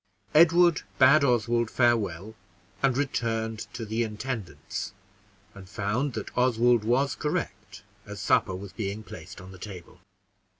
Edward bade Oswald farewell, and returned to the intendant's, and found that Oswald was correct, as supper was being placed on the table.